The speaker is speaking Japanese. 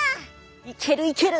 いけるいける！